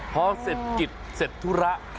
พอเสร็จกิจเสร็จธุระ